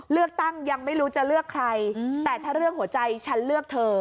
เลือกตั้งยังไม่รู้จะเลือกใครแต่ถ้าเรื่องหัวใจฉันเลือกเธอ